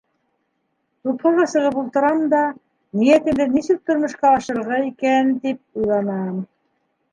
Тупһаға сығып ултырам да, ниәтемде нисек тормошҡа ашырырға икән, тип уйланам.